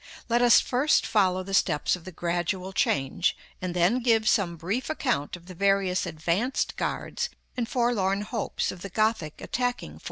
Let us first follow the steps of the gradual change, and then give some brief account of the various advanced guards and forlorn hopes of the Gothic attacking force.